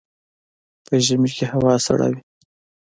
په ژمي کې هوا سړه وي